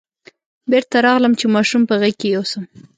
بېرته راغلم چې ماشوم په غېږ کې یوسم.